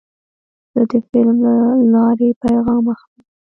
زه د فلم له لارې پیغام اخلم.